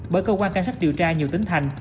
bởi cơ quan can sát điều tra nhiều tính thành